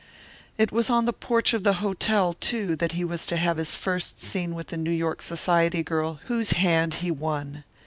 It was on the porch of the hotel, too, that he was to have his first scene with the New York society girl whose hand he won.